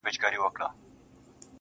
تر دې نو بله ښه غزله کتابي چیري ده,